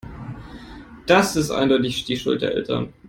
Das ist eindeutig die Schuld der Eltern.